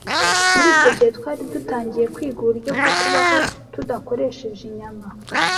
Muri icyo gihe, twari dutangiye kwiga uburyo bwo kubaho tudakoresheje inyama.